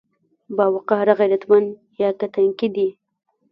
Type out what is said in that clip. باوقاره، غيرتمن يا که تنکي دي؟